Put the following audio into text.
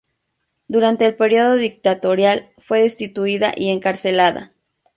Durante el período dictatorial fue destituida y encarcelada.